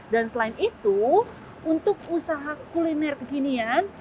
dan selain itu untuk usaha kuliner kekinian